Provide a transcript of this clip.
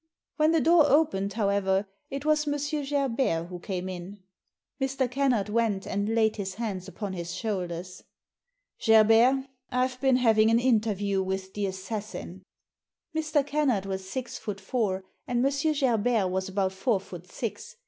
When the door opened, however, it was M. Gerbert who came in. Mr. Kennard went and laid his hands upon his shoulders. ''Gerbert, I've been having an interview with the assassin. Mr. Kennard was six foot four and M. Gerbert was about four foot six.